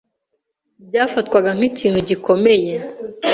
byafatwaga nk’ikintu gikomeye